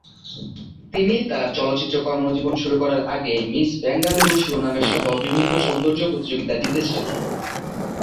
তিনি তার চলচ্চিত্র কর্মজীবন শুরু করার আগে মিস বেঙ্গালুরু শিরোনামে সহ বিভিন্ন সৌন্দর্য প্রতিযোগিতা জিতেছে।